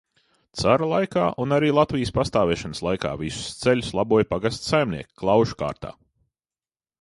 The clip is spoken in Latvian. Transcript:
Cara laikā un arī Latvijas pastāvēšanas laikā visus ceļus laboja pagasta saimnieki klaušu kārtā.